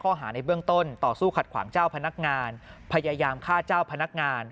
ในเบื้องต้นต่อสู้ขัดขวางเจ้าพนักงานพยายามฆ่าเจ้าพนักงาน